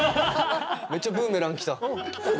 めっちゃブーメラン来た。